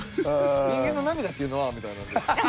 「人間の涙っていうのは」みたいな。